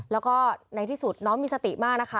แล้วก็ในที่สุดน้องมีสติมากนะคะ